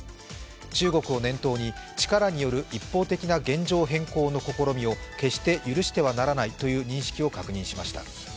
中国を念頭に、力による一方的な現状変更の試みを決して許してはいけないという認識を確認しました。